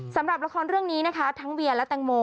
สำหรับละครเรื่องนี้นะคะทั้งเวียและแตงโม